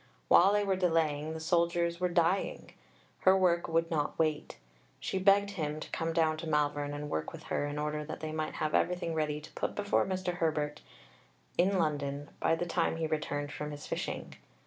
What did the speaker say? While they were delaying, the soldiers were dying. Her work would not wait. She begged him to come down to Malvern and work with her in order that they might have everything ready to put before Mr. Herbert in London by the time he returned from his fishing.